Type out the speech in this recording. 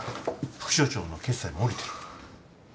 副署長の決裁も下りてる。